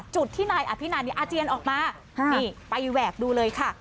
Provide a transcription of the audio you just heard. จุดที่นายอภินันอาเจียนออกมานี่ไปแหวกดูเลยค่ะ